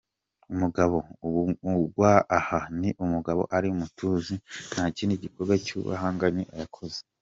Umugabo: Uvugwa aha, ni uwabaga ari umutunzi, nta kindi gikorwa cy’ubuhangange yakoze.